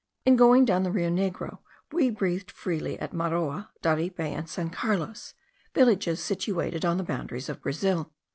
In going down the Rio Negro, we breathed freely at Maroa, Daripe, and San Carlos, villages situated on the boundaries of Brazil.